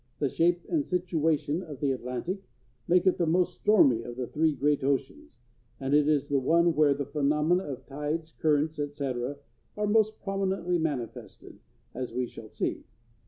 The shape and situation of the Atlantic make it the most stormy of the three great oceans, and it is the one where the phenomena of tides, currents, etc., are most prominently manifested, as we shall see.